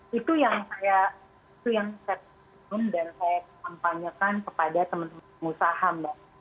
ya itu yang saya penyampaikan kepada teman teman pengusaha hamba